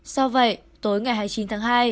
sau vậy tối ngày hai mươi chín tháng hai